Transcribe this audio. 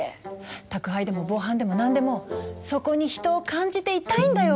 宅配でも防犯でも何でもそこに人を感じていたいんだよ